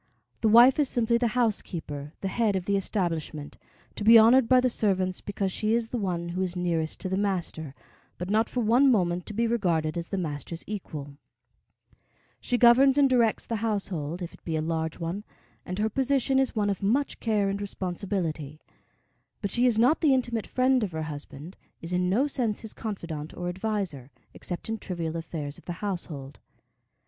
The wife is simply the housekeeper, the head of the establishment, to be honored by the servants because she is the one who is nearest to the master, but not for one moment to be regarded as the master's equal. She governs and directs the household, if it be a large one, and her position is one of much care and responsibility; but she is not the intimate friend of her husband, is in no sense his confidante or adviser, except in trivial affairs of the household.